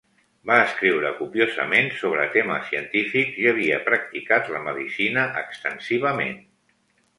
Va escriure copiosament sobre temes científics i havia practicat la medicina extensivament.